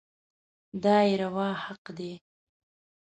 دا يې روا حق دی.